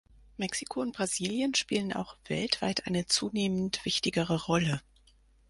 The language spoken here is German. Mexiko und Brasilien spielen auch weltweit eine zunehmend wichtigere Rolle.